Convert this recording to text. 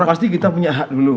yang pasti kita punya hak dulu